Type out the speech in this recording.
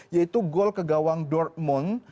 yaitu gol ke gawang dortmund